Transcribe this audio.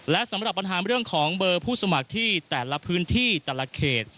และสำหรับปัญหาเรื่องของเบอร์ผู้สมัครที่แต่ละพื้นที่แต่ละเขต